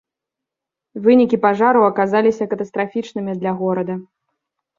Вынікі пажару аказаліся катастрафічнымі для горада.